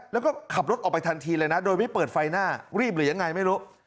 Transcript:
แล้วก็ขับรถออกไปทันทีเลยนะโดยไม่เปิดไฟหน้ารีบหรือยังไงไม่รู้